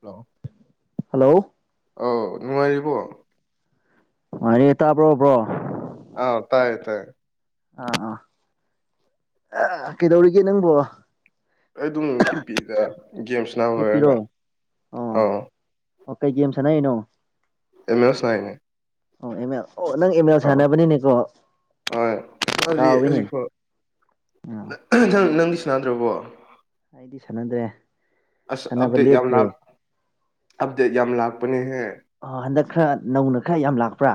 hello hello ꯑꯥꯎ ꯅꯨꯡꯉꯥꯏꯔꯤꯕꯣ ꯑꯔꯦ ꯇꯥꯕ꯭ꯔꯣꯕ꯭ꯔꯣ ꯑ ꯇꯥꯏ ꯇꯥꯏ ꯑꯥ ꯑꯥ ꯀꯩꯗꯧꯔꯤꯒꯦ ꯅꯪꯕꯣ ꯑꯩ ꯑꯗꯨꯝ ꯅꯨꯡꯁꯤꯠꯄꯤꯗ ꯒꯦꯝꯁ ꯅꯥꯎ ꯂꯣꯏꯔꯒ ꯍꯤꯞꯄꯤꯔꯣ ꯑꯣ ꯑꯥꯎ ꯑꯣ ꯀꯩ ꯒꯦꯝꯁꯅ ꯏꯩꯅꯣ ꯑꯦꯃꯦ ꯑꯦ ꯑꯣ ꯁꯥꯏꯅꯦ ꯑꯣ ꯑꯦꯝ ꯑꯦꯜ ꯑꯣ ꯅꯪ ꯑꯦꯝ ꯑꯦꯜ ꯁꯥꯟꯅꯕꯅꯤꯅꯦꯀꯣ ꯍꯣꯏ ꯃꯥꯗꯤ ꯀꯥꯎꯋꯅꯦ ꯍꯧꯖꯤꯛꯐꯥꯎ [unintelligible] ꯅꯪ ꯅꯪꯗꯤ ꯁꯅꯥꯗ꯭ꯔꯕꯣ ꯑꯩꯗꯤ ꯁꯥꯟꯅꯗ꯭ꯔꯦ ꯑꯁ ꯁꯥꯟꯅꯕ ꯑꯕꯗꯦ ꯌꯥꯝ ꯂꯦꯞꯈ꯭ꯔꯦ ꯂꯥꯛ ꯑꯕꯗꯦꯠ ꯌꯥꯝ ꯂꯥꯛꯄꯅꯦ ꯍꯦ ꯑ ꯍꯟꯗꯛ ꯈꯔ ꯅꯧꯅ ꯈꯔ ꯌꯥꯝ ꯂꯥꯛꯄ꯭ꯔꯥ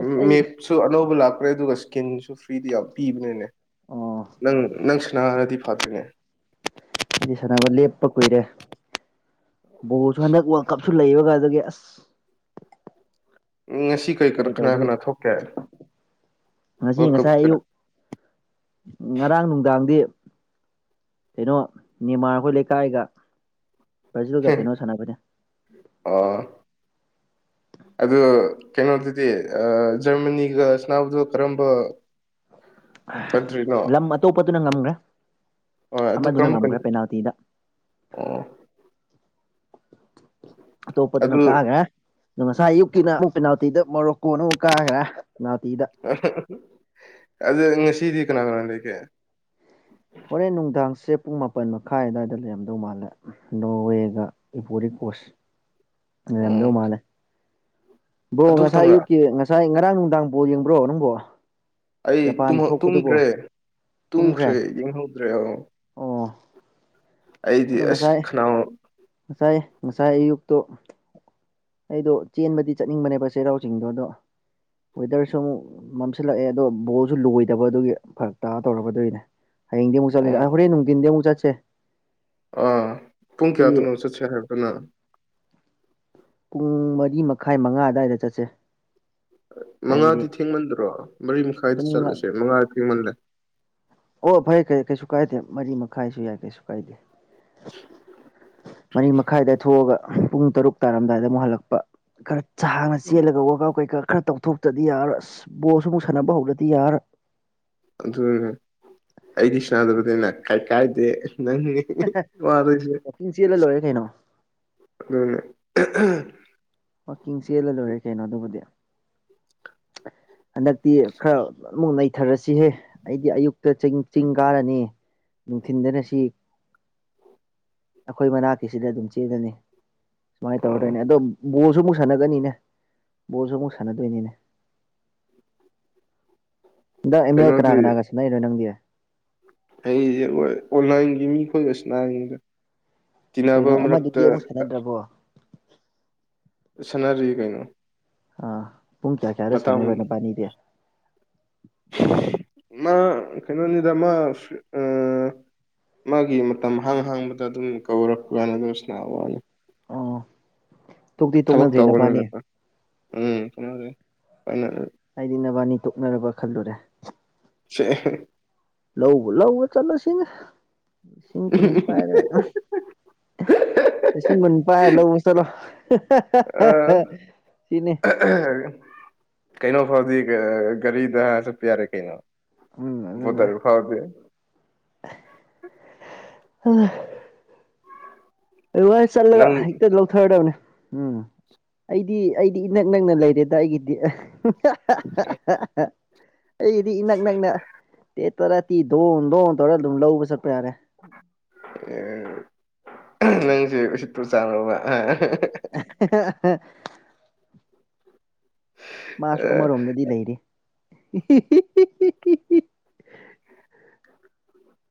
ꯑꯁ ꯑꯩ ꯁꯨ ꯑꯅꯧꯕ ꯂꯥꯛꯄ꯭ꯔꯦ ꯑꯗꯨꯒ ꯁ꯭ꯀꯤꯟꯁꯨ ꯐ꯭ꯔꯤꯗꯤ ꯌꯥꯝ ꯄꯤꯕꯅꯤꯅꯦ ꯑꯣ ꯅꯪ ꯅꯪ ꯁꯅꯥꯔꯗꯤ ꯐꯥꯠꯇ꯭ꯔꯤꯉ ꯍꯥꯏꯗꯤ ꯁꯥꯟꯅꯕ ꯂꯦꯞꯄ ꯀꯨꯏꯔꯦ ꯕꯣꯜꯁꯨ ꯍꯟꯗꯛ ꯋꯥꯔꯜ ꯀꯞꯁꯨ ꯂꯩꯕꯒ ꯑꯗꯨꯗꯒꯤ ꯑꯁ ꯉꯁꯤ ꯀꯔꯤ ꯀ ꯑꯗꯨ ꯀꯅꯥ ꯇꯧꯕꯒꯤ ꯀꯅꯥ ꯊꯣꯛꯀꯦ ꯉꯁꯤ ꯉꯁꯥꯏ ꯍꯥꯏ ꯑꯌꯨꯛ ꯉꯔꯥꯡ ꯅꯨꯡꯗꯥꯡꯗꯤ ꯀꯩꯅꯣ ꯅꯤꯃꯥꯔ ꯑꯩꯈꯣꯏ ꯂꯩꯀꯥꯏꯒ ꯕ꯭ꯔꯖꯤꯜꯒ ꯀꯩꯅꯣ ꯁꯥꯟꯅꯕꯅꯦ ꯑꯥ [inaudible] ꯑ ꯀꯩꯅꯣꯗꯨꯗꯤ ꯑ ꯖꯔꯃꯅꯤꯒꯅꯥꯎꯗꯣ ꯀꯔꯝꯕ ꯀꯟꯇ꯭ꯔꯤꯅꯣ ꯂꯝ ꯑꯇꯣꯞꯄꯇꯅ ꯉꯝꯈ꯭ꯔꯦ ꯍꯣꯏ ꯑꯗꯨ ꯑꯃꯗꯨꯅ ꯀꯔꯝꯕ ꯉꯝꯈ꯭ꯔꯦ ꯀꯟꯇ꯭ꯔꯤ ꯄꯦꯅꯥꯜꯇꯤꯗ ꯑꯣ ꯑꯗꯨ ꯑꯇꯣꯞꯄꯗꯨꯅ ꯀꯥꯒꯔꯦ ꯑꯗꯣ ꯉꯁꯥꯏ ꯑꯌꯨꯛꯀꯤꯅ ꯑꯃꯨꯛ ꯄꯦꯅꯥꯜꯇꯤꯗ ꯃꯣꯔꯣꯛꯀꯣꯟ ꯑꯃꯨꯛ ꯀꯥꯈ꯭ꯔꯦ ꯄꯦꯅꯥꯜꯇꯤꯗ ꯑꯗꯨ ꯉꯁꯤꯗꯤ ꯀꯅꯥ ꯀꯅꯥ ꯂꯩꯒꯦ ꯍꯣꯔꯦꯟ ꯅꯨꯡꯗꯥꯡꯁꯦ ꯄꯨꯡ ꯃꯥꯄꯟ ꯃꯈꯥꯏ ꯑꯋꯥꯏꯗ ꯂꯩꯔꯝꯗꯧ ꯃꯥꯜꯂꯦ ꯅꯣꯔꯋꯦꯒ ꯏ ꯄꯔꯤ ꯀꯣꯁꯗꯧ ꯑꯣ ꯃꯥꯅꯦ ꯕ꯭ꯔꯣ ꯑꯗꯨ ꯉꯁꯥꯏ ꯈꯛꯇꯪꯔ ꯑꯌꯨꯛꯀꯤ ꯉꯁꯥꯏ ꯉꯔꯥꯡ ꯅꯨꯡꯗꯥꯡ ꯄꯥꯎ ꯌꯦꯡꯕ꯭ꯔꯣ ꯅꯪꯕꯣ ꯑꯩ ꯖꯄꯥꯟ ꯇꯨꯝꯗ꯭ꯔꯦ ꯊꯣꯛꯄꯗꯨꯕꯣ ꯇꯨꯝꯈ꯭ꯔꯦ ꯌꯦꯡꯍꯧꯗ꯭ꯔꯦ ꯑꯣꯧ ꯑꯣ ꯑꯩꯗꯤ ꯑꯗꯣ ꯑꯁ ꯉꯁꯥꯏ ꯈꯅꯥꯎ ꯉꯁꯥꯏ ꯉꯁꯥꯏ ꯑꯌꯨꯛꯇꯣ ꯑꯩꯗꯣ ꯆꯦꯟꯕꯗꯤ ꯆꯠꯅꯤꯡꯕꯅꯦꯕ ꯆꯩꯔꯥꯎ ꯆꯤꯡꯗꯣ ꯑꯗꯣ ꯋꯦꯗꯔꯁꯨ ꯑꯃꯨꯛ ꯃꯝꯁꯤꯜꯂꯛꯑꯦ ꯑꯗꯣ ꯕꯣꯜꯁꯨ ꯂꯣꯏꯗꯕꯗꯨꯒꯤ ꯐꯔꯛ ꯇꯥ ꯇꯧꯔꯒꯗꯣꯏꯅꯦ ꯍꯌꯦꯡ ꯑꯃꯨꯛ ꯆꯠꯂꯦ ꯑꯣ ꯍꯣꯔꯦꯟ ꯅꯨꯡꯊꯤꯟꯗꯤ ꯑꯃꯨꯛ ꯆꯠꯁꯦ ꯑꯥ ꯄꯨꯡ ꯁꯤ ꯀꯌꯥꯗꯅꯣꯁꯠꯁꯦ ꯍꯥꯏꯕꯗꯅ ꯄꯨꯡ ꯃꯔꯤ ꯃꯈꯥꯏ ꯃꯉꯥ ꯑ꯭ꯋꯥꯏꯗ ꯆꯠꯁꯦ ꯃꯉꯥꯗꯤ ꯍꯥꯏꯕꯗꯤ ꯊꯦꯡꯃꯟꯗ꯭ꯔꯣ ꯃꯔꯤ ꯑꯗꯨꯝ ꯃꯈꯥꯏꯗ ꯆꯠꯂꯁꯦ ꯃꯉꯥ ꯊꯦꯡꯃꯜꯂꯦ ꯑꯣ ꯐꯔꯩꯦ ꯐꯔꯩ ꯀꯩꯁꯨ ꯀꯥꯏꯗꯦ ꯃꯔꯤ ꯃꯈꯥꯏꯁꯨ ꯌꯥꯏ ꯀꯩꯁꯨ ꯀꯥꯏꯗꯦ ꯃꯔꯤ ꯃꯈꯥꯏꯗ ꯊꯣꯛꯑꯒ ꯄꯨꯡ ꯇꯔꯨꯛ ꯇꯥꯔꯝꯗꯥꯏꯗ ꯑꯃꯨꯛ ꯍꯜꯂꯛꯄ ꯈꯔ ꯁꯥꯡꯅ ꯆꯦꯜꯂꯒ ꯋꯥꯀ ꯀꯩꯀꯥ ꯈꯔ ꯇꯧꯊꯣꯛ ꯇꯗꯤ ꯌꯥꯔ ꯑꯁ ꯕꯣꯜꯁꯨ ꯑꯃꯨꯛ ꯁꯥꯟꯅꯕ ꯍꯧꯗꯗꯤ ꯌꯥꯔꯣꯏ ꯑꯗꯨꯅ ꯑꯩꯗꯤ ꯁꯥꯟꯗꯕꯅꯤꯅ ꯀꯩ ꯀꯥꯏꯗꯦ ꯅꯪꯅꯤ ꯋꯥꯗꯣꯏꯁꯦ ꯋꯥꯋꯥꯛꯆꯤꯡ ꯆꯦꯜꯂ ꯂꯣꯏꯔꯦ ꯀꯩꯅꯣ ꯑꯗꯨ ꯋꯥꯥꯛꯀꯤꯡ ꯆꯦꯜꯂ ꯂꯣꯏꯔꯦ ꯀꯩꯅꯣ ꯑꯗꯨꯕꯨꯗꯤ ꯍꯟꯗꯛꯇꯤ ꯈꯔ ꯑꯃꯨꯛ ꯅꯩꯊꯔꯁꯤꯍꯦ ꯑꯩꯗꯤ ꯑꯌꯨꯛꯇ ꯆꯤꯡ ꯆꯤꯡ ꯀꯥꯔꯅꯤ ꯅꯨꯡꯊꯤꯟꯗꯅ ꯁꯤ ꯑꯩꯈꯣꯏ ꯃꯅꯥꯛꯀꯤꯁꯤꯗ ꯑꯗꯨꯝ ꯆꯦꯜꯒꯅꯤ ꯁꯨꯃꯥꯏꯅ ꯑꯣ ꯇꯧꯔꯗꯣꯏꯅꯦ ꯑꯗꯣ ꯕꯣꯜꯁꯨ ꯑꯃꯨꯛ ꯁꯥꯟꯅꯒꯅꯤꯅꯦ ꯕꯣꯜꯁꯨ ꯑꯃꯨꯛ ꯁꯥꯟꯅꯗꯣꯏꯅꯤꯅꯦ ꯅꯟꯗ ꯏꯃꯦꯜ ꯀꯅꯥ ꯀꯩꯅꯣꯗꯤ ꯀꯅꯥꯒꯁꯤ ꯅꯪ ꯅꯣꯏ ꯅꯪꯗꯤꯦ ꯑꯩꯁꯦꯣꯏ ꯑꯣꯟꯂꯥꯏꯟꯒꯤ ꯃꯤ ꯈꯣꯏꯂꯁꯨ ꯅꯥꯔꯤꯉꯩꯗ ꯀꯩꯅꯣ ꯇꯤꯅꯥꯕꯝ ꯔꯛꯇ ꯑꯃꯗꯨꯗꯤ ꯑꯃꯨꯛ ꯁꯥꯟꯅꯗ꯭ꯔꯕꯣ ꯁꯥꯟꯅꯔꯤ ꯀꯩꯅꯣ ꯑꯥ ꯄꯨꯡ ꯀꯌꯥ ꯀꯌꯥꯗ ꯃꯇꯝ ꯁꯥꯟꯅꯔꯤꯕꯅꯕꯥꯅꯤꯗꯤ ꯃꯥ ꯀꯩꯅꯣꯅꯤꯗꯃ ꯑ ꯃꯥꯒꯤ ꯃꯇꯝ ꯍꯥꯡ ꯍꯥꯡꯕꯗ ꯑꯗꯨꯝ ꯀꯧꯔꯛꯄ ꯀꯥꯏꯅ ꯑꯗꯨ ꯁꯅ ꯋꯥꯅꯤ ꯑꯣ ꯇꯣꯛꯇꯤ ꯊꯕꯛ ꯇꯣꯛꯅꯗ꯭ꯔꯦ ꯅꯄꯥꯅꯤ ꯇꯧꯕꯅꯤꯅꯀꯣ ꯎꯝ [unintelligible] ꯑꯩꯗꯤ ꯅꯕꯥꯅꯤ ꯇꯣꯛꯅꯔꯕ ꯈꯜꯂꯨꯔꯦ [unintelligible] ꯂꯧꯕ ꯂꯧꯕ ꯆꯠꯂꯁꯤꯅꯦ ꯂꯤꯁꯤꯡ ꯀꯨꯟ ꯄꯥꯏꯔꯒ ꯂꯤꯁꯤꯡ ꯀꯨꯟꯄꯥꯥꯏ ꯂꯧꯕ ꯆꯠꯂꯣ ꯑꯥ [unintelligible] ꯁꯤꯅꯤ ꯀꯩꯅꯣ ꯐꯥꯎꯗꯤ ꯒꯥꯔꯤꯗ ꯆꯠꯄ ꯌꯥꯔꯦ ꯀꯩꯅꯣ ꯎꯝ ꯑꯗꯨꯅꯦ [unintelligible] [unintelligible] ꯑꯗꯨ ꯋꯥ ꯆꯠꯂꯒ ꯅꯪ ꯍꯦꯛꯇ ꯂꯧꯊꯔꯗꯕꯅꯦ ꯎꯝ ꯑꯩꯗꯤ ꯑꯩꯗꯤ ꯏꯅꯛ ꯅꯛꯅ ꯂꯩꯔꯦꯗ ꯑꯩꯒꯤꯗꯤ [unintelligible] [unintelligible] ꯑꯩꯗꯤ ꯏꯅꯛ ꯅꯛꯅ ꯇꯦ ꯇꯔꯥ ꯇꯤ ꯗꯣꯟ ꯗꯣꯟ ꯇꯧꯔ ꯑꯗꯨꯝ ꯂꯧꯕ ꯆꯠꯄ ꯌꯥꯔꯦ ꯅꯪꯁꯦ ꯎꯁꯤꯠꯇꯨ [unintelligible] [unintelligible] ꯃꯥꯁꯨ ꯑꯃꯔꯣꯝꯗꯗꯤ ꯂꯩꯔꯤ [unintelligible]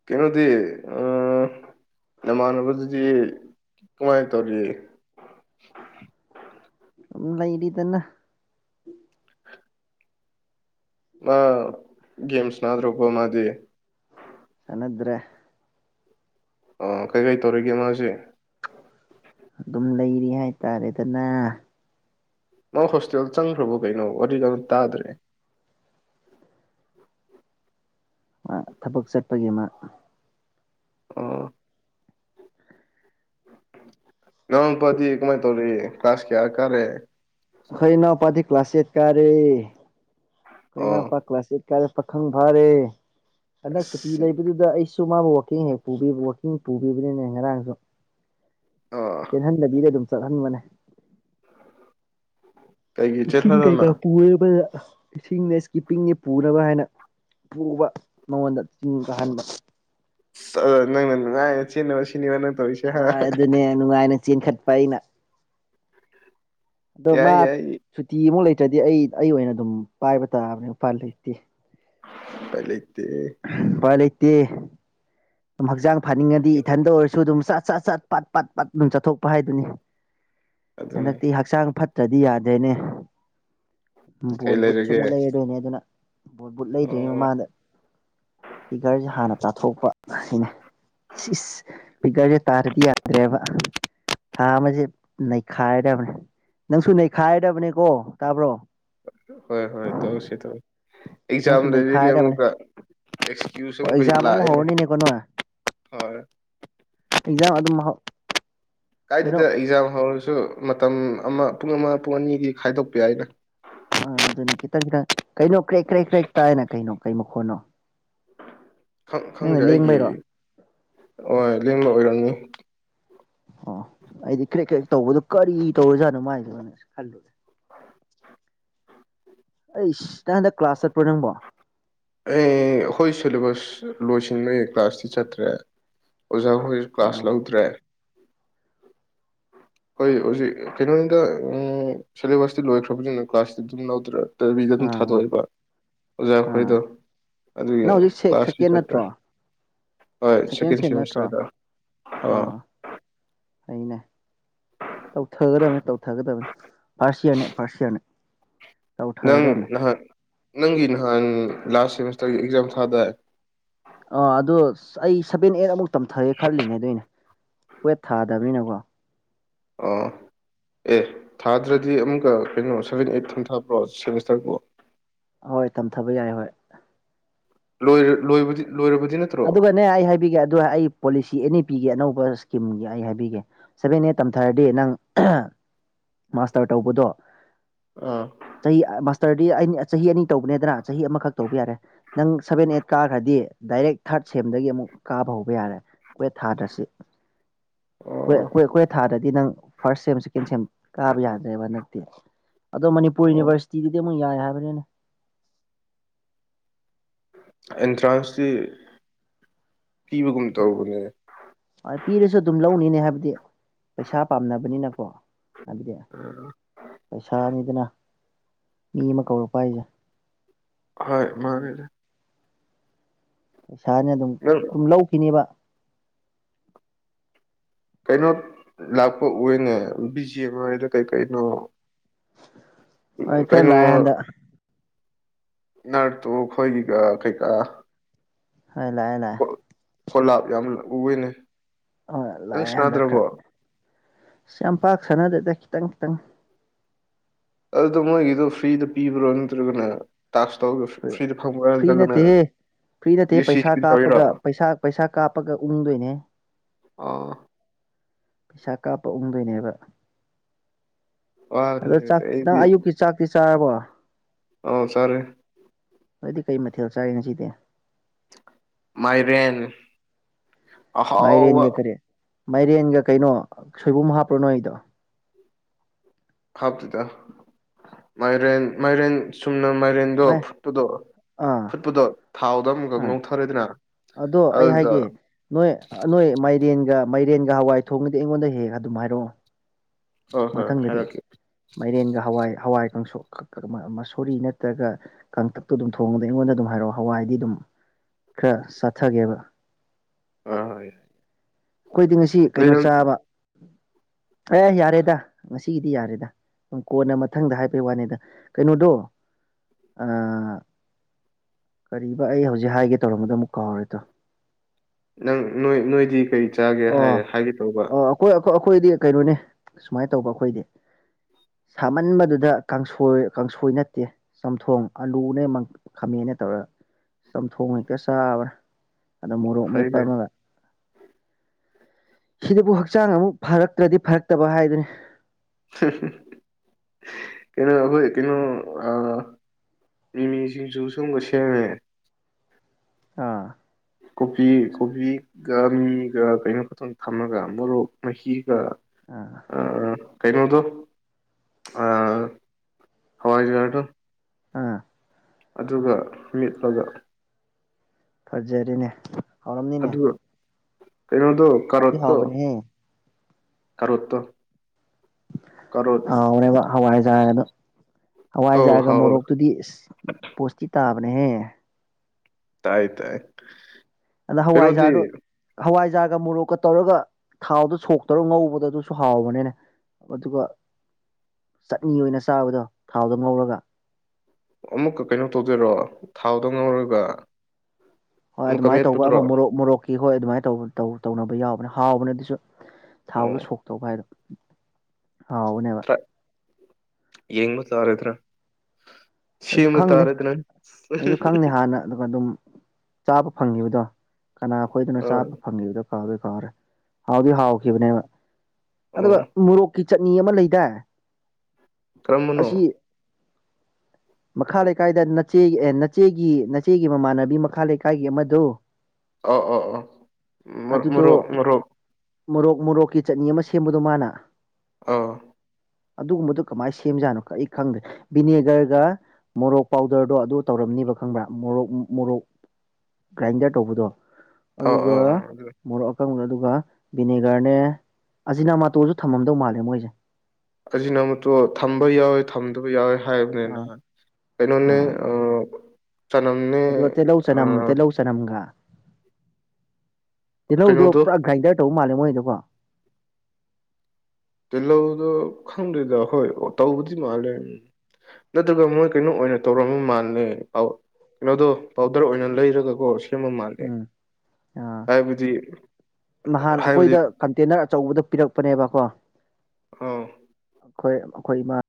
ꯀꯩꯅꯣꯗꯤ ꯅꯃꯥꯟꯅꯕꯗꯨꯗꯤ ꯀꯃꯥꯏꯅ ꯇꯧꯔꯤ ꯂꯩꯔꯤꯗꯅ ꯃꯥ ꯒꯦꯝꯁ ꯅꯥꯗ꯭ꯔꯕꯣ ꯃꯥꯗꯤ ꯁꯥꯅꯗ꯭ꯔꯦ ꯑꯣ ꯀꯩꯀꯩ ꯇꯧꯔꯤꯒꯦ ꯃꯥꯁꯦ ꯑꯗꯨꯝ ꯂꯩꯔꯤ ꯍꯥꯏꯇꯥꯔꯦꯗꯅ ꯅꯪ ꯍꯣꯁꯇꯦꯜ ꯆꯪꯈ꯭ꯔꯕꯣ ꯀꯩꯅꯣ ꯋꯥꯔꯤꯗ ꯇꯥꯗ꯭ꯔꯦ ꯊꯕꯛ ꯆꯠꯄꯒꯤ ꯃꯥ ꯑꯥ [unintelligible] ꯄꯗꯤ ꯀꯃꯥꯏꯅ ꯇꯧꯔꯤ ꯀ꯭ꯂꯥꯁ ꯀꯌꯥ ꯀꯥꯔꯦ ꯑꯈꯣꯏꯅꯥꯎ ꯄꯥꯗꯤ ꯀ꯭ꯂꯥꯁ ꯑꯦꯠ ꯀꯥꯔꯦ ꯑꯈꯣꯏꯅꯄꯥ ꯑꯣ ꯀ꯭ꯂꯥꯁ ꯑꯦꯠ ꯀꯥꯏꯔ ꯄꯥꯈꯪ ꯐꯥꯔꯦ ꯍꯟꯗꯛ ꯁꯨꯇꯤ ꯑꯁ ꯂꯩꯕꯗꯨꯗ ꯑꯩ ꯁꯨ ꯃꯥꯕꯨ ꯋꯀꯤꯡ ꯍꯦꯛ ꯄꯨꯕ ꯋꯥꯀꯤꯡ ꯄꯨꯕꯤꯕꯅꯤꯅꯦ ꯉꯔꯥꯡꯁꯨ ꯑꯣ ꯆꯜꯍꯟꯗꯕꯤꯗꯦ ꯑꯗꯨꯝ ꯆꯠ ꯍꯟꯕꯅꯦ ꯀꯩꯒꯤ ꯏꯁꯤꯡ ꯀꯩꯀꯥ ꯆꯦꯜꯍꯜꯂꯣꯅ ꯄꯨ [unintelligible] ꯏꯁꯤꯡꯅ ꯏꯁꯀꯤꯞꯄꯤꯡꯒꯤ ꯄꯨꯅꯕ ꯍꯥꯏꯅ ꯄꯨꯕ ꯃꯉꯣꯟꯗ ꯆꯤꯡ ꯀꯥꯍꯟꯕ [unintelligible] ꯅꯪꯅ ꯅꯨꯡꯉꯥꯏꯅ ꯆꯦꯟꯅꯕ ꯁꯤꯅꯤꯕ ꯅꯪ ꯇꯧꯔꯤꯁꯦ ꯑꯗꯨꯅꯦ ꯅꯨꯡꯉꯥꯏꯅ ꯆꯦꯟꯈꯠꯄ ꯑꯩꯅ ꯑꯗꯣ ꯃꯥ ꯌꯥꯏ ꯌꯥꯏ ꯁꯨꯇꯤ ꯑꯃꯨꯛ ꯂꯩꯇ꯭ꯔꯗꯤ ꯑꯩ ꯑꯩ ꯑꯣꯏꯅ ꯑꯗꯨꯝ ꯄꯥꯏꯕ ꯇꯥꯕꯅꯦ ꯎꯄꯥꯏ ꯂꯩꯇꯦ ꯄꯥꯏ ꯂꯩꯏꯇ ꯎꯥꯏ ꯂꯩꯇꯦ ꯑꯗꯨꯝ ꯍꯛꯆꯥꯡ ꯐꯅꯤꯡꯉꯗꯤ ꯏꯊꯟꯇ ꯑꯣꯏꯔꯁꯨ ꯑꯗꯨꯝ ꯆꯥꯛ ꯆꯠ ꯆꯠ ꯄꯠ ꯄꯠ ꯄꯠ ꯑꯗꯨꯝ ꯆꯠꯊꯣꯛꯄ ꯍꯥꯏꯗꯨꯅꯤ ꯑꯗꯨꯅꯤ ꯍꯟꯗꯛꯇꯤ ꯍꯛꯆꯥꯡ ꯐꯠ ꯇꯗꯤ ꯌꯥꯗꯦꯅꯦ ꯀꯩ ꯕꯣꯜꯕꯨꯠꯁꯨ ꯑꯃꯨꯛ ꯂꯩꯔꯒꯦ ꯂꯩꯔꯗꯣꯏꯅꯦ ꯑꯗꯨꯅ ꯕꯣꯠ ꯕꯨꯠ ꯂꯩꯗ꯭ꯔꯤꯉꯩ ꯑꯣ ꯃꯃꯥꯡꯗ ꯐꯤꯒꯔꯁꯦ ꯍꯥꯟꯅ ꯆꯥꯊꯣꯛꯄ ꯁꯤꯅꯦ ꯏꯁ ꯐꯤꯒꯔꯁꯦ ꯇꯥꯔꯗꯤ ꯌꯥꯗ꯭ꯔꯦꯕ ꯊꯥ ꯑꯃꯁꯦ ꯅꯩꯈꯥꯏꯔꯗꯕꯅꯦ ꯅꯪꯁꯨ ꯅꯩꯈꯥꯏꯔꯗꯕꯅꯤꯀꯣ ꯇꯥꯕ꯭ꯔꯣ ꯍꯣꯏ ꯍꯣꯏ ꯇꯧꯁꯤ ꯇ ꯑꯦꯛꯖꯥꯝ ꯅꯪꯁꯨ ꯂꯩꯔꯤꯅꯦ ꯅꯩꯈꯥꯏꯔꯗꯕꯅꯦ ꯑꯃꯨꯛꯀ ꯑꯦꯛꯁꯀ꯭ꯌꯨꯁ ꯑꯣ ꯑꯃꯨꯛꯀꯁꯨ ꯑꯦꯛꯖꯥꯝ ꯑꯃꯨꯛ ꯂꯥꯛꯑꯦꯅꯦ ꯍꯧꯔꯅꯤꯅꯦꯀꯣ ꯅꯣꯏ ꯍꯣꯏ ꯑꯦꯛꯖꯥꯝ ꯑꯗꯨꯝ [unintelligible] ꯀꯩꯅꯣ ꯀꯥꯏꯗꯗ ꯑꯦꯛꯖꯥꯝ ꯍꯧꯔꯁꯨ ꯃꯇꯝ ꯑꯃ ꯄꯨꯡ ꯑꯃ ꯄꯨꯡ ꯑꯅꯤꯒꯤ ꯈꯥꯏꯗꯣꯛꯄ ꯌꯥꯏꯗ ꯑꯥ ꯑꯗꯨꯅꯦ ꯈꯤꯇꯪ ꯈꯤꯇꯪ ꯀꯩꯅꯣ ꯀ꯭ꯔꯦꯛ ꯀ꯭ꯔꯦꯛ ꯀ꯭ꯔꯦꯛ ꯇꯥꯏꯅ ꯀꯩꯅꯣ ꯀꯩ ꯃꯈꯣꯟꯅꯣ ꯈꯪ ꯅꯪꯅ ꯈꯪꯗꯦ ꯑꯩꯒꯤ ꯂꯦꯡꯕꯩꯔꯣ [unintelligible] ꯂꯦꯡꯕ ꯑꯣꯏꯔꯝꯅꯤ ꯑꯣ ꯑꯩꯗꯤ ꯀ꯭ꯔꯦꯛ ꯀ꯭ꯔꯦꯛ ꯇꯧꯕꯗꯨꯣ ꯀꯔꯤ ꯇꯧꯔꯖꯥꯠꯅꯣ ꯃꯥꯏꯗꯅ ꯈꯜꯂꯨꯔꯦ [inaudible] ꯑꯩ ꯏꯁꯇꯪ ꯍꯟꯗꯛ ꯀ꯭ꯂꯥꯁ ꯆꯠꯄ꯭ꯔꯣ ꯅꯪꯕꯣ ꯑꯩ ꯑꯩꯈꯣꯏ ꯁꯤꯦꯂꯦꯕꯁ ꯂꯣꯏꯁꯤꯟꯕꯒꯤ ꯀ꯭ꯂꯥꯁꯇꯤ ꯆꯠꯇ꯭ꯔꯦ ꯑꯣꯖꯥ ꯍꯣꯏ ꯑꯣ ꯀ꯭ꯂꯥꯁ ꯂꯧꯗ꯭ꯔꯦ ꯍꯣꯏ ꯍꯧꯖꯤꯛ ꯀꯩꯅꯣꯅꯤꯗ ꯁꯤꯦꯂꯦꯕꯁꯇꯤ ꯂꯣꯏꯈ꯭ꯔꯕꯅꯤꯅ ꯀ꯭ꯂꯥꯁꯇꯤ ꯑꯗꯨꯝ ꯂꯧꯗ꯭ꯔ ꯇꯕꯤꯗ ꯑꯗꯨꯝ ꯑꯥ ꯑꯥ ꯊꯥꯗꯣꯛꯑꯦꯕ ꯑꯥ ꯑꯣꯖꯥꯈꯣꯏꯗꯣ ꯑꯗꯨꯒꯤ ꯅꯪ ꯍꯧꯖꯤꯛ ꯁꯦꯛ ꯀ꯭ꯂꯥꯁꯀꯤ ꯁꯦꯀꯦꯟ ꯆꯦꯞꯇꯔ ꯅꯠꯇ꯭ꯔꯣ ꯍꯣꯏ ꯁꯦꯀꯦꯟ ꯁꯦꯝ ꯅꯠꯇ꯭ꯔꯣ ꯁꯦꯃꯤꯁꯇꯔꯗ ꯑꯥ ꯑꯩꯅ ꯇꯧꯊꯒꯗꯕꯅꯦ ꯇꯧꯊꯒꯗꯕꯅꯦ ꯄꯥꯔꯁꯤꯌꯥꯅꯤ ꯄꯥꯔꯁꯤꯌꯥꯅꯤ ꯅꯪ ꯅꯍꯥꯟ ꯅꯪꯒꯤ ꯅꯍꯥꯟ ꯂꯥꯁ ꯁꯦꯃꯤꯁꯇꯔꯒꯤ ꯑꯦꯛꯖꯥꯝ ꯊꯥꯗꯦ ꯑꯥ ꯑꯗꯣ ꯑꯩ ꯁꯚꯦꯟ ꯑꯩꯠ ꯑꯃꯨꯛ ꯇꯝꯊꯔꯦ ꯈꯜꯂꯤꯅꯦ ꯑꯗꯨꯗꯅꯦ ꯇꯨꯌꯦꯦꯞ ꯊꯥꯗꯕꯅꯤꯅꯀꯣ ꯑꯣ ꯑꯦ ꯊꯥꯗ꯭ꯔꯗꯤ ꯑꯃꯨꯛꯀ ꯀꯩꯅꯣ ꯁꯕꯦꯟ ꯑꯩꯠ ꯊꯟꯊꯕ꯭ꯔꯣ ꯁꯦꯃꯤꯁꯇꯔꯕꯨ ꯍꯣꯏ ꯇꯝꯊꯕ ꯌꯥꯏ ꯍꯣꯏ ꯂꯣꯏ ꯂꯣꯏ ꯂꯣꯏꯔꯕꯗꯤꯅ ꯑꯗꯨꯒꯅꯦ ꯑꯩ ꯍꯥꯏꯕꯤꯒꯦ ꯑꯗꯨ ꯑꯩ ꯄꯣꯂꯤꯁꯤ ꯑꯦꯟ ꯏ ꯄꯤꯒꯤ ꯑꯅꯧꯕ ꯏꯁꯀꯤꯝꯒꯤ ꯑꯩ ꯍꯥꯏꯕꯤꯒꯦ ꯁꯕꯦꯟ ꯑꯦ ꯇꯝꯊꯔꯗꯤ ꯅꯪ ꯃꯥꯁꯇꯔ ꯇꯧꯕꯗꯣ ꯑꯥ ꯆꯍꯤ ꯃꯥꯁꯇꯔꯗꯤ ꯑ ꯆꯍꯤ ꯑꯅꯤ ꯇꯧꯕꯅꯦꯗꯅ ꯆꯍꯤ ꯑꯃꯈꯛ ꯇꯧꯕ ꯌꯥꯔꯦ ꯅꯪ ꯁꯚꯦꯟ ꯑꯦꯠ ꯀꯥꯈ꯭ꯔꯗꯤ ꯗꯥꯏꯔꯦꯛ ꯊꯥꯔꯠ ꯁꯦꯝꯗꯒꯤ ꯑꯃꯨꯛ ꯀꯥꯕ ꯍꯧꯕ ꯌꯥꯔꯦ ꯑꯩꯈꯣꯏ ꯊꯥꯗ꯭ꯔꯁꯤ ꯑꯩꯣꯏ ꯑꯣ ꯑꯩꯣꯏ ꯑꯩꯣꯏ ꯊꯥꯗ꯭ꯔꯗꯤ ꯅꯪ ꯐꯥꯔꯁ ꯁꯦꯝꯁꯤ ꯀꯦꯟꯁꯦꯜ ꯀꯥꯕ ꯌꯥꯗ꯭ꯔꯦꯕ ꯅꯠꯇꯦ ꯑꯗꯣ ꯃꯅꯤꯄꯨꯔ ꯑꯣ ꯌꯨꯅꯤꯚꯔꯁꯤꯇꯤꯗꯨꯗꯤ ꯑꯃꯨꯛ ꯌꯥꯏ ꯍꯥꯏꯕꯅꯤꯅ ꯑꯦꯟꯇ꯭ꯔꯥꯟꯁꯇꯤ ꯄꯤꯕꯒꯨꯝ ꯇꯧꯕꯅꯦ ꯄꯤꯔꯁꯨ ꯑꯗꯨꯝ ꯂꯧꯅꯤꯅꯦ ꯍꯥꯏꯕꯗꯤ ꯄꯩꯁꯥ ꯄꯥꯝꯅꯕꯅꯤꯅꯀꯣ ꯍꯥꯏꯕꯗꯤ ꯄꯩꯁꯥꯅꯤꯗꯅ ꯃꯤ ꯑꯃ ꯀꯧꯔꯛꯄ ꯍꯥꯏꯁꯦ ꯍ ꯑꯗꯨꯒꯤ ꯃꯥꯅꯦꯗ ꯄꯩꯁꯥꯅ ꯑꯗꯨꯝ ꯅꯪ ꯑꯗꯨꯝ ꯂꯧꯈꯤꯅꯦꯕ ꯀꯩꯅꯣ ꯂꯥꯛꯄ ꯎꯅꯦ ꯕꯤ ꯖꯤꯦ ꯑꯃꯔꯤꯗ ꯀꯩ ꯀꯩꯅꯣ ꯍꯣꯏ ꯈꯔ ꯀꯩꯅꯣ ꯂꯥꯛꯑꯦ ꯍꯟꯗ ꯅꯔ ꯇꯨ ꯈꯣꯏꯒꯤꯒ ꯀꯩꯀ ꯍ ꯂꯑ ꯂꯥꯛ ꯀꯣꯂꯥꯞ ꯌꯥꯝꯅ ꯎꯏꯅꯦ ꯍꯣꯏ ꯅꯪ ꯂꯥꯛꯑꯦ ꯍꯟꯗꯛꯈ꯭ꯔꯦ ꯁꯅꯥꯗ꯭ꯔꯕꯣ ꯑ ꯌꯥꯝ ꯄꯥꯛ ꯁꯅꯗꯦꯗ ꯈꯤꯇꯪ ꯈꯤꯇꯪ ꯑꯗꯨꯗ ꯃꯣꯏꯒꯤꯗꯣ ꯐ꯭ꯔꯤꯗ ꯄꯤꯕ꯭ꯔꯣ ꯅꯠꯇ꯭ꯔꯒꯅꯦ ꯇ ꯇꯧ ꯐ꯭ꯔꯤꯗ ꯐꯪꯕ ꯐ꯭ꯔꯤ ꯌꯥꯖ ꯅꯠꯇꯦꯍꯦ ꯐ꯭ꯔꯤ ꯅꯠꯇꯦ ꯄꯩꯁꯥ ꯀꯥꯞꯄꯒ ꯄꯩꯁꯥ ꯄꯩꯁꯥ ꯀꯥꯞꯄꯒ ꯎꯪꯗꯣꯏꯅꯦ ꯑꯥ ꯄꯩꯁꯥ ꯀꯥꯞꯄ ꯎꯪꯗꯣꯏꯅꯦꯕ ꯋꯥꯒꯅꯤ ꯑꯗꯣ ꯆꯥꯛ ꯅꯪ ꯑꯩꯗꯤ ꯑꯌꯨꯛꯀꯤ ꯆꯥꯛꯇꯤ ꯆꯥꯔꯕꯣ ꯑꯥꯎ ꯁꯔꯦ ꯑꯗꯨꯏꯗꯤ ꯀꯩ ꯃꯊꯦꯜ ꯆꯥꯏꯔꯤꯅ ꯁꯤꯗꯤꯦ ꯃꯥꯏꯔꯦꯟ ꯑꯍꯥꯎꯕ ꯃꯥꯏꯔꯦꯟꯒ ꯀꯔꯤ ꯃꯥꯏꯔꯦꯟꯒ ꯀꯩꯅꯣ ꯁꯣꯏꯕꯨꯝ ꯍꯥꯞꯄ꯭ꯔꯣꯅꯣ ꯑꯩꯗꯣ ꯍꯥꯞꯇꯨꯗ ꯃꯥꯏꯔꯦꯟ ꯃꯥꯏꯔꯦꯟ ꯁꯨꯝꯅ ꯃꯥꯏꯔꯦꯟ ꯗꯣ ꯃꯥꯏ ꯐꯨꯠꯄꯨꯗꯣ ꯑꯥ ꯐꯨꯠꯄꯨꯗꯣ ꯊꯥꯎꯗ ꯑꯃꯨꯛꯀ ꯑꯥ ꯉꯧꯊꯔꯦꯗꯅ ꯑꯗꯣ ꯑꯩ ꯑꯗꯨꯗ ꯍꯥꯏꯒꯦ ꯅꯣꯏ ꯅꯣꯏ ꯃꯥꯏ ꯇꯔꯦꯟꯒ ꯃꯥꯏꯔꯦꯟꯒ ꯍꯋꯥꯏ ꯊꯣꯡꯉꯗꯤ ꯑꯩꯉꯣꯟꯗ ꯍꯦꯛ ꯑꯗꯨꯝ ꯍꯥꯏꯔꯛꯑꯣ ꯍꯣꯏ ꯍꯣꯏ ꯃꯊꯪꯗꯗꯤ ꯍꯥꯏꯔꯛꯀꯦ ꯃꯥꯏꯔꯦꯟꯒ ꯍꯋꯥꯏ ꯍꯋꯥꯏ ꯀꯥꯡ ꯃꯁꯣꯔꯤ ꯅꯠꯇ꯭ꯔꯒ ꯀꯥꯡꯇꯛꯇꯣ ꯑꯗꯨꯝ ꯊꯣꯡꯉꯗ ꯑꯩꯉꯣꯟꯗ ꯑꯗꯨꯝ ꯍꯥꯏꯔꯛꯑꯣ ꯍꯋꯥꯏꯗꯤ ꯑꯗꯨꯝ ꯈꯔ ꯆꯠꯊꯒꯦꯕ ꯑ ꯍꯣꯏ ꯑꯩꯈꯣꯏꯗꯤ ꯉꯁꯤ ꯀꯩꯅꯣ ꯂꯩꯔꯝ ꯆꯥꯕ ꯑꯦ ꯌꯥꯔꯦꯗ ꯉꯁꯤꯒꯤꯗꯤ ꯌꯥꯔꯦꯗ ꯀꯣꯟꯅ ꯃꯊꯪꯗ ꯍꯥꯏꯕꯩ ꯋꯥꯅꯤꯗ ꯀꯩꯅꯣꯗꯣ ꯑ ꯀꯔꯤꯕꯥ ꯑꯩ ꯍꯧꯖꯤꯛ ꯍꯥꯏꯒꯦ ꯇꯧꯔꯝꯕꯗꯣ ꯑꯃꯨꯛ ꯀꯥꯎꯔꯦꯗꯣ ꯅꯪ ꯅꯣꯏ ꯅꯣꯏꯗꯤ ꯀꯔꯤ ꯆꯥꯒꯦ ꯑꯣ ꯍꯥꯏꯒꯦ ꯇꯧꯕ ꯑꯣ ꯑꯩꯈꯣꯏ ꯑꯩꯈꯣꯏꯗꯤ ꯀꯩꯅꯣꯅꯦ ꯁꯨꯃꯥꯏꯅ ꯇꯧꯕ ꯑꯩꯈꯣꯏꯗꯤ ꯁꯥꯃꯟꯕꯗꯨꯗ ꯀꯥꯡꯁꯣꯏ ꯀꯥꯡꯁꯣꯏ ꯅꯠꯇꯦ ꯆꯝꯊꯣꯡ ꯑꯜꯂꯨꯅꯦ ꯈꯥꯃꯦꯅ ꯇꯧꯔꯒ ꯆꯝꯊꯣꯡ ꯍꯦꯛꯇ ꯆꯥꯕ꯭ꯔꯥ ꯑꯗ ꯃꯣꯔꫭꯛ ꯐꯩ ꯃꯦꯠꯄ ꯐꯩ ꯑꯃꯒ ꯁꯤꯗꯕꯨ ꯍꯛꯆꯥꯡ ꯑꯃꯨꯛ ꯐꯔꯛꯂ꯭ꯔꯗꯤ ꯐꯔꯛꯇꯕ ꯍꯥꯏꯗꯨꯅꯤ [unintelligible] ꯀꯩꯅꯣ ꯑꯩꯈꯣꯏ ꯀꯩꯅꯣ ꯑꯥ ꯃꯤꯃꯤ ꯁꯤꯡꯖꯨꯁꯨ ꯑꯃꯨꯛ ꯁꯦꯝꯃꯦ ꯑꯥ ꯀꯣꯕꯤ ꯀꯣꯕꯤꯒ ꯃꯤꯃꯤꯒ ꯀꯩꯅꯣ ꯈꯇꯪ ꯊꯝꯃꯒ ꯃꯣꯔꯣꯛ ꯃꯍꯤꯒ ꯑꯥ ꯑ ꯀꯩꯩꯅꫭꯗꫭ ꯑꯥ ꯍꯋꯥꯏꯖ꯭ꯔꯗꫭ ꯑꯥ ꯑꯗꯨꯒ ꯃꯦꯠꯂꯒ ꯐꯖꯔꯦꯅꯦ ꯍꯥꯎꯔꯝꯅꯤꯅꯦ ꯑꯗꯨ ꯀꯩꯅꫭꯗꫭ ꯍꯥꯎꯗꯤ ꯀꯔꯠꯇꯣ ꯍꯥꯎꯕꯅꯦꯍꯦ ꯀꯔꯠꯇꯣ ꯑꯥꯎꯕꯅꯦꯕ ꯍꯋꯥꯏꯖꯥꯔꯒꯗꫭ ꯑꯧ ꯍꯋꯥꯏꯖꯥꯔꯒ ꯍꯥꯎ ꯃꯣꯔꯣꯛꯇꯨꯗꯤ ꯏꯁ ꯄꯣꯠꯁꯇꯤ ꯇꯥꯕꯅꯦꯍꯦ ꯇꯥꯏ ꯇꯥꯏ ꯑꯗ ꯀꯩꯅꯣꯗꯤ ꯍꯋꯥꯏꯖꯥꯔꯗꯣ ꯍꯋꯥꯏꯖꯥꯔꯒ ꯃꯣꯔꯣꯛꯀ ꯇꯧꯔꯒ ꯊꯥꯎꯗꯣ ꯁꯣꯛꯇꯧꯔ ꯉꯧꯕꯗ ꯑꯗꯨꯁꯨ ꯍꯥꯎꯕꯅꯤꯅꯦ ꯑꯗꯨꯒ ꯆꯠꯅꯤ ꯑꯣꯏꯅ ꯆꯥꯕꯗꯣ ꯊꯥꯎꯗꯣ ꯉꯧꯔꯒ ꯑꯃꯨꯛꯀ ꯀꯩꯅꯣ ꯇꯧꯗꫭꯏꯔꯣ ꯊꯥꯎꯗ ꯉꯧꯔꯒ ꯍꯣꯏ ꯑꯃꯨꯛꯀ ꯑꯗꯨꯃꯥꯏꯅ ꯇꯧꯕ ꯃꯦꯠꯄꯗꯨꯔꯣ ꯑꯃ ꯃꯣꯔꯣꯛ ꯃꯣꯔꯣꯛꯀꯤ ꯍꯣꯏ ꯑꯗꯨꯃꯥꯏꯅ ꯇꯧꯕ ꯇꯧꯅꯕ ꯌꯥꯎꯕꯅꯦ ꯍꯥꯎꯕꯅ ꯑꯗꯨꯁꯨ ꯊꯥꯎꯕꯗ ꯑꯣ ꯁꯣꯛꯇꯧꯕ ꯍꯥꯏꯗꯣ ꯍꯥꯎꯕꯅꯦꯕ ꯑꯥꯠ ꯌꯦꯡꯕ ꯇꯥꯔꯗ꯭ꯔꯥ ꯑꯩꯁꯨ ꯁꯦꯝꯕ ꯈꯪꯗꯦ ꯇꯥꯔꯦꯗꯅ ꯑꯩꯁꯨ ꯈꯪꯗꯦ ꯍꯥꯟꯅ ꯑꯗꯨꯒ ꯑꯗꯨꯝ ꯆꯥꯕ ꯐꯪꯉꯤꯕꯗꯣ ꯀꯅꯥ ꯈꯣꯏꯗꯅꫭ ꯑꯥ ꯆꯥꯕ ꯐꯪꯉꯤꯕꯗꯣ ꯀꯥꯎꯗꯤ ꯀꯥꯎꯔꯦ ꯍꯥꯎꯗꯤ ꯍꯥꯎꯈꯤꯕꯅꯦꯕ ꯑꯗꯨꯒ ꯑꯥ ꯃꯣꯔꯣꯛꯀꯤ ꯆꯠꯅꯤ ꯑꯃ ꯂꯩꯗꯥꯏ ꯀꯔꯝꯕꯅꯣ ꯑꯁꯤ ꯃꯈꯥ ꯂꯩꯀꯥꯏꯗ ꯅꯆꯦ ꯅꯆꯦꯒꯤ ꯅꯆꯦꯒꯤ ꯃꯃꯥꯟꯅꯕꯤ ꯃꯈꯥ ꯂꯩꯀꯥꯏꯒꯤ ꯑꯃꯗꯨ ꯑꯣ ꯑꯣ ꯑꯣ ꯑꯗꯨꯗꯣ ꯃꯣꯔꯣꯛ ꯃꯣꯔꯣꯛ ꯃꯣꯔꯣꯛ ꯃꯣꯔꯣꯛꯀꯤ ꯆꯠꯅꯤ ꯑꯃ ꯁꯦꯝꯕꯗꯣ ꯃꯥꯅ ꯑꯥ ꯑꯗꯨꯒꯨꯝꯕꯗꫭ ꯀꯃꯥꯏꯅ ꯁꯦꯝꯖꯥꯠꯅꯣ ꯑꯩ ꯈꯪꯗ꯭ꯔꯦ ꯚꯅꯦꯒꯔꯒ ꯃꯣꯔꯣꯛ ꯄꯥꯎꯗꯔꯗꯣ ꯑꯗꯨꯒ ꯇꯧꯔꯝꯅꯤꯕ ꯈꯪꯕ꯭ꯔꯥ ꯃꯣꯔꯣꯛ ꯃꯣꯔꯣꯛ ꯒ꯭ꯔꯥꯏꯟꯗꯔ ꯇꯧꯕꯗꯣ ꯑꯥ ꯑꯗꯨꯒ ꯑꯥ ꯃꯣꯔꯣꯛ [unintelligible] ꯑꯗꯨꯒ ꯕꯤꯅꯦꯒꯔꯅꯦ ꯑꯖꯤꯅꯥꯃꯇꯣꯁꯨ ꯊꯝꯃꯝꯗꯧ ꯃꯥꯜꯂꯦ ꯃꯣꯏꯁꯦ ꯑꯖꯤꯅꯥꯃꯇꫭ ꯊꯝꯕ ꯌꯥꯎꯋꯦ ꯊꯝꯗꯕ ꯌꯥꯎꯋꯦ ꯍꯥꯏꯕꯅꯤ ꯑꯥ ꯅꯍꯥꯟ ꯀꯩꯅꯣꯅꯦ ꯑꯥ ꯑ ꯆꯅꯝꯅꯦ ꯑꯗꯨꯒ ꯇꯤꯜꯍꯧ ꯆꯅꯝ ꯑꯥ ꯇꯤꯜꯍꯧ ꯆꯅꯝꯒ ꯇꯤꯜꯍꯧꯗꯣ ꯀꯩꯅꯣꯗꯣ ꯄꯨꯔꯥ ꯒ꯭ꯔꯥꯏꯟꯗꯔ ꯇꯧꯕ ꯃꯥꯜꯂꯦ ꯃꯣꯏꯗꫭꯀꯣ ꯇꯤꯜꯍꯧꯗꯣ ꯈꯪꯗꯦꯗ ꯍꯣꯏ ꯇꯧꯕꯗꯤ ꯃꯥꯜꯂꯦ ꯅꯠꯇꯒ ꯃꯣꯏ ꯀꯩꯅꯣ ꯑꯣꯏꯅ ꯇꯧꯔꯝꯝꯕ ꯃꯥꯜꯂꯦ ꯀꯩꯅꯣꯗꯣ ꯄꯥꯎꯗ꯭ꯔ ꯑꯣꯏꯅ ꯂꯩꯔꯒꯀꫭ ꯁꯤ ꯁꯦꯝꯕ ꯃꯥꯜꯂꯦ ꯎꯝ ꯑꯥ ꯍꯥꯏꯕꯗꯤ ꯍꯥꯏꯕꯗꯤ ꯇꯦꯅꯔ ꯑꯆꯧꯕꯗ ꯄꯤꯔꯛꯄꯅꯦꯕꯀꯣ ꯑꯥ ꯑꯩꯈꯣꯏ ꯑꯩꯈꯣꯏ ꯏꯃꯥ